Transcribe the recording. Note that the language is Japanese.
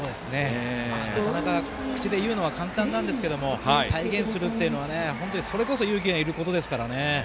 なかなか口で言うのは簡単ですが体現するというのはそれこそ勇気がいることですから。